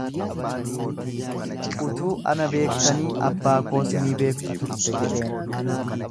Utuu ana beektanii abbaa koos ni beektu turte jedheen.